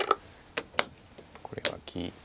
これが利いて。